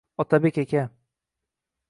Otabek aka